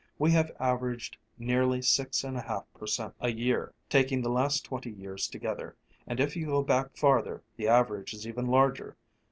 "We have averaged nearly six and a half per cent. a year taking the last twenty years together, and if you go back farther the average is even larger.